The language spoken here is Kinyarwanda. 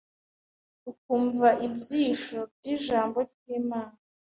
ukumva ibyisho by’ijambo ry’Imana.